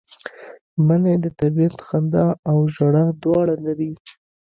منی د طبیعت خندا او ژړا دواړه لري